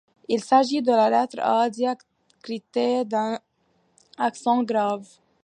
Il s’agit de la lettre A diacritée d'un accent grave.